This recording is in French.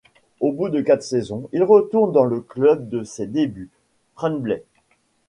Au bout de quatre saisons, il retourne dans le club de ses débuts, Tremblay.